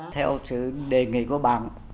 theo chứ đề nghị của bạn